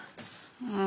ああ。